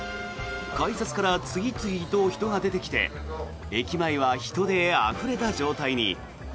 改札から次々と人が出てきて駅前は人であふれた状態に。